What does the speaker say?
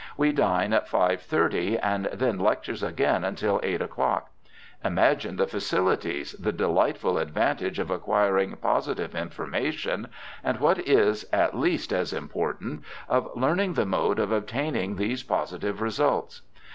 We dine at five thirty and then lectures again until eight o'clock. Imagine the facilities, the delightful advantage of acquir ing positive information, and what is at least as impor tant, of learning the mode of obtaining these positive results.